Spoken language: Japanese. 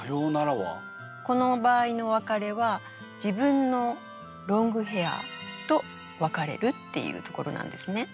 この場合のお別れは自分のロングヘアーと別れるっていうところなんですね。